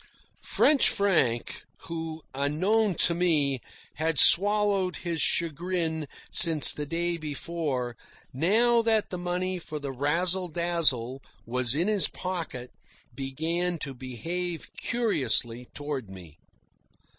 French Frank, who, unknown to me, had swallowed his chagrin since the day before, now that the money for the Razzle Dazzle was in his pocket, began to behave curiously toward me.